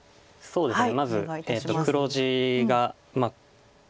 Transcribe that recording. そうですね。